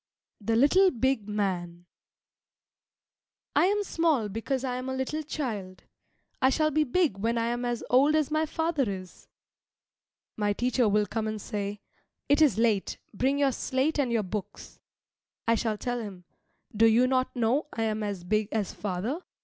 THE LITTLE BIG MAN I am small because I am a little child. I shall be big when I am as old as my father is. My teacher will come and say, "It is late, bring your slate and your books." I shall tell him, "Do you not know I am as big as father?